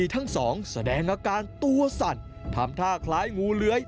ภิษภิทธิทั้งสองแสดงอาการตัวสั่นทำถ้าคล้ายหมู่เหลือย